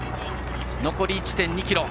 残り１．２ｋｍ。